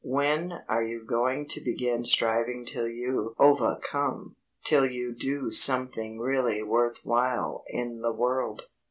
When are you going to begin striving till you ovahcome till you do something really worth while in the world?"